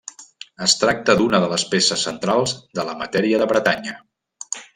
Es tracta d'una de les peces centrals de la matèria de Bretanya.